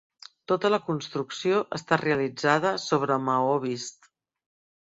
Tota la construcció està realitzada sobre maó vist.